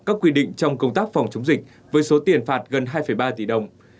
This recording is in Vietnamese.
các quy định trong công tác phòng chống dịch với số tiền phạt gần hai ba tỷ đồng